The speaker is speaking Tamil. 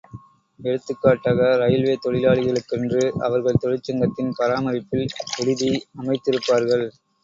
எடுத்துக்காட்டாக இரயில்வே தொழிலாளிகளுக்கென்று அவர்கள் தொழிற்சங்கத்தின் பராமரிப்பில் விடுதி அமைத்திருப்பார்கள்.